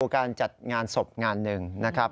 การจัดงานศพงานหนึ่งนะครับ